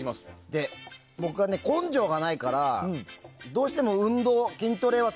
僕は根性がないからどうしても運動、筋トレは